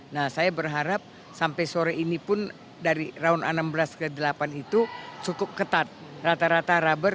nah saya berharap sampai sore ini pun dari round a enam belas ke delapan itu cukup ketat rata rata rubber